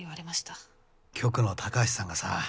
局の高橋さんがさ